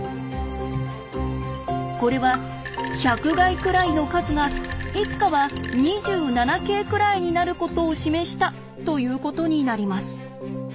これは１００垓くらいの数がいつかは２７京くらいになることを示したということになります。